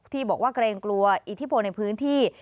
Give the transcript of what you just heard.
ที่บอกว่าเกรงกลัวอิทธิพลในพื้นที่